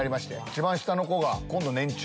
一番下の子が今度年中ですかね。